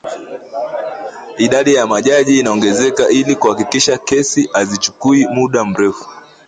idadi ya majaji inaongezeka ili kuhakikisha kesi hazichukui muda mrefu